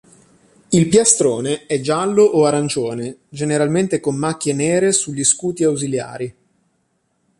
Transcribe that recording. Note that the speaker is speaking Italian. Il piastrone è giallo o arancione generalmente con macchie nere sugli scuti ausiliari.